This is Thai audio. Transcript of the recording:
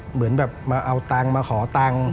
เหมือนแบบมาเอาตังค์มาขอตังค์